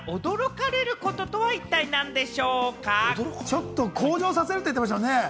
ちょっと向上させるって言ってましたね。